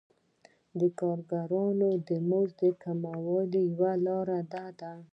د کارګرانو د مزد کموالی یوه لاره ده